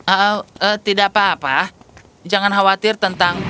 oh tidak apa apa jangan khawatir tentang